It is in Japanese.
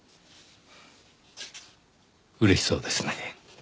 嬉しそうですね。